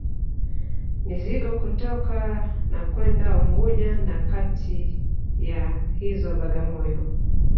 Mizigo kutoka na kwenda Unguja na kati ya hizo Bagamoyo